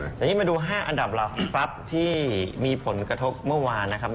เดี๋ยวนี้มาดู๕อันดับรับทรัพย์ที่มีผลกระทกเมื่อวานนะครับ